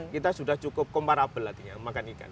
kita sudah cukup comparable artinya makan ikan